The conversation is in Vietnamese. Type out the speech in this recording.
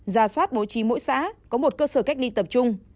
ra soát bố trí mỗi xã có một cơ sở cách ly tập trung